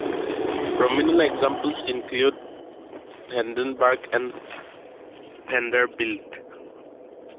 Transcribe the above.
Prominent examples include "Vandenberg" and "Vanderbilt".